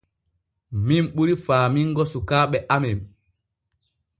Min ɓuri faamingo sukaaɓe amen.